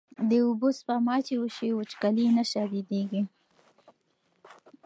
د اوبو سپما چې وشي، وچکالي نه شدېږي.